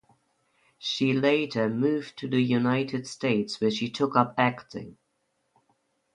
She later moved to the United States where she took up acting.